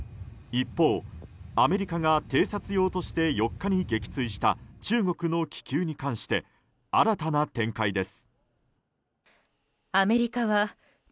一方、アメリカが偵察用として４日に撃墜した中国の気球に関して新たな展開です。